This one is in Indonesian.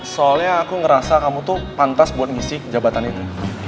soalnya aku ngerasa kamu tuh pantas buat ngisi jabatan itu